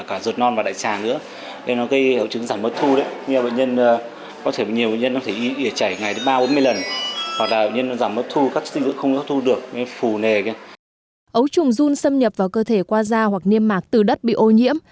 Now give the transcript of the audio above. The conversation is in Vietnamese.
ấu trùng run xâm nhập vào cơ thể qua da hoặc niêm mạc từ đất bị ô nhiễm